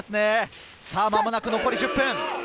間もなく残り１０分。